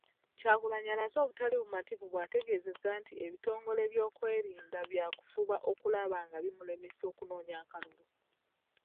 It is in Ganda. Kyagulanyi alaze obutali bumativu bw'ategeezzza nti ebitongole by'ebyokwerinda byakufuba okulaba nga bimulemesa okunoonya akalulu.